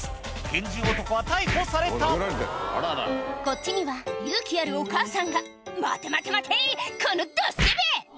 拳銃男は逮捕されたこっちには勇気あるお母さんが「待て待て待て！このどスケベ！」